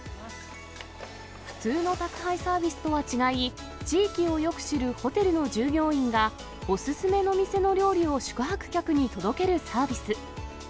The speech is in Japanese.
普通の宅配サービスとは違い、地域をよく知るホテルの従業員がお勧めの店の料理を宿泊客に届けるサービス。